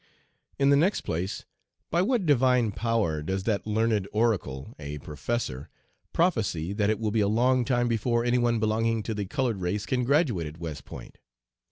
"In the next place, by what divine power does that learned oracle, a professor, prophesy that it will be a long time before any one belonging to the colored race can graduate at West Point?